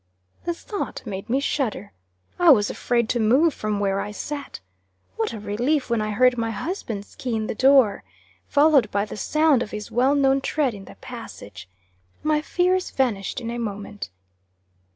The thought made me shudder. I was afraid to move from where I sat. What a relief when I heard my husband's key in the door, followed by the sound of his well known tread in the passage! My fears vanished in a moment.